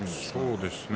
そうですね。